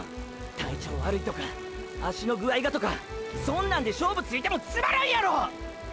体調わるいとか足の具合がとかそんなんで勝負ついてもつまらんやろ！！